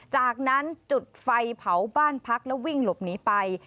จากนั้นจุดไฟเผาบ้านพักแล้ววิ่งหลบหนีไป